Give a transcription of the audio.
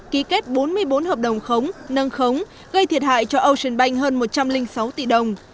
ký kết bốn mươi bốn hợp đồng khống nâng khống gây thiệt hại cho ocean bank hơn một trăm linh sáu tỷ đồng